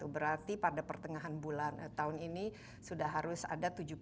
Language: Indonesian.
berarti pada pertengahan bulan tahun ini sudah harus ada tujuh puluh atau delapan puluh juta